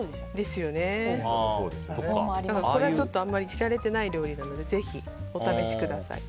これはあんまり知られていないお料理なのでぜひお試しください。